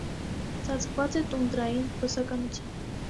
Ծածկված է տունդրային բուսականությամբ։